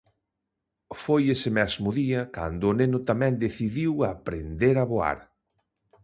Foi ese mesmo día cando o neno tamén decidiu aprender a voar.